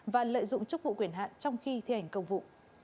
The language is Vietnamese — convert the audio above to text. và lợi dụng chức vụ quyền hạn trong khi thi hành công vụ